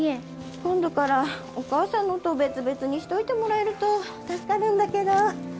今度からお母さんのと別々にしておいてもらえると助かるんだけど。